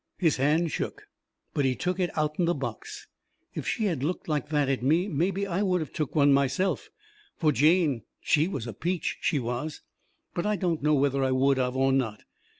His hand shook, but he took it out'n the box. If she had of looked like that at me mebby I would of took one myself. Fur Jane, she was a peach, she was. But I don't know whether I would of or not.